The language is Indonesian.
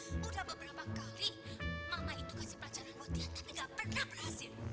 udah beberapa kali mama itu kasih pelajaran buat dia tapi gak pernah berhasil